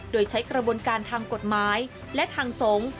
โดยใช้กระบวนการทางกฎหมายและทางสงฆ์